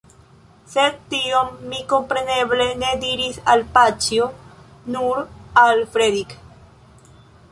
Sed tion mi kompreneble ne diris al Paĉjo, nur al Fredrik.